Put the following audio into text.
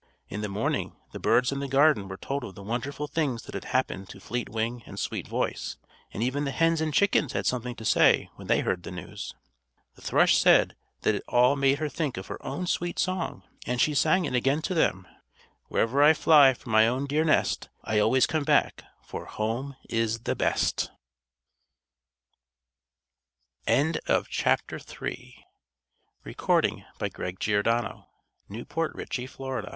In the morning, the birds in the garden were told of the wonderful things that had happened to Fleet Wing and Sweet Voice; and even the hens and chickens had something to say when they heard the news. The thrush said that it all made her think of her own sweet song; and she sang it again to them: "_Wherever I fly from my own dear nest, I always come back, for home is the be